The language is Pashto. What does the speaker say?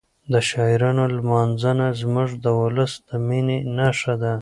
د شاعرانو لمانځنه زموږ د ولس د مینې نښه ده.